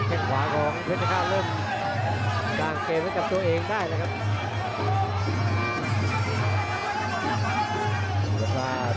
แค่งขวาของเพชรฆาตเริ่มสร้างเกมไว้กับตัวเองได้เลยครับ